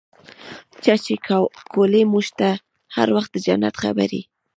چا چې کولې موږ ته هر وخت د جنت خبرې.